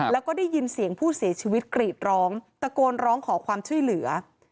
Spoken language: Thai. แล้วก็ได้ยินเสียงผู้เสียชีวิตกรีดร้องตะโกนร้องขอความช่วยเหลือ